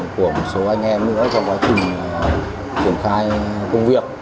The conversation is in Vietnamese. của một số anh em nữa trong quá trình triển khai công việc